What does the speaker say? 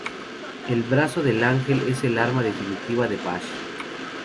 El brazo del ángel es el arma definitiva de Vash.